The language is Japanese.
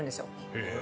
へえ。